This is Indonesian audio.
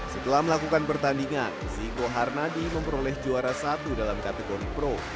setelah melakukan pertandingan ziko harnadi memperoleh juara satu dalam kategori pro